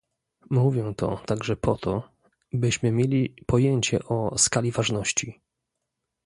Mówię to także po to, byśmy mieli pojęcie o skali ważności